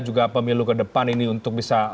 juga pemilu ke depan ini untuk bisa